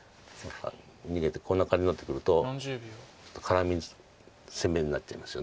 逃げてこんな感じになってくるとカラミ攻めになっちゃいますよね。